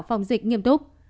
phòng dịch nghiêm túc